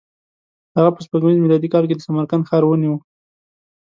هغه په سپوږمیز میلادي کال کې د سمرقند ښار ونیو.